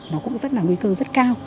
nó cũng rất là nguy cơ rất cao